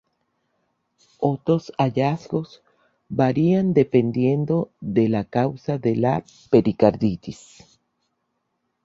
Otros hallazgos varían dependiendo de la causa de la pericarditis.